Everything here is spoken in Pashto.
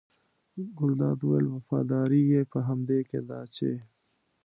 ګلداد وویل وفاداري یې په همدې کې ده چې.